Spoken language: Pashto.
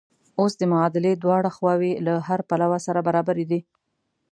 اوس د معادلې دواړه خواوې له هره پلوه سره برابرې دي.